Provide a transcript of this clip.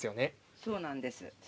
そうなんです